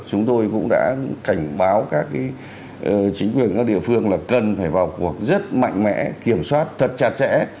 chúng tôi cũng đã cảnh báo các chính quyền các địa phương là cần phải vào cuộc rất mạnh mẽ kiểm soát thật chặt chẽ